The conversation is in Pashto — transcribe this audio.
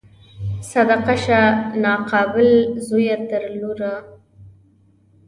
صدقه شه ناقابل زویه تر لوره